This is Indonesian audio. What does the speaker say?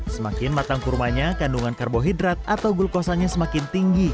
semakin matang kurmanya kandungan karbohidrat atau glukosanya semakin tinggi